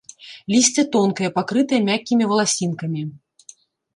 Лісце тонкае, пакрытае мяккімі валасінкамі.